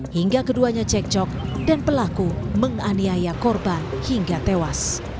hingga keduanya cekcok dan pelaku menganiaya korban hingga tewas